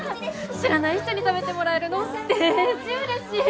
知らない人に食べてもらえるのでーじうれしい。